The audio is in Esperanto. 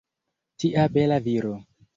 Tia bela viro!